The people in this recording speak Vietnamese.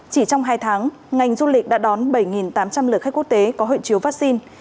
chỉ trong hai tháng ngành du lịch đã đón bảy tám trăm linh lượt khách quốc tế có huyện chiếu vaccine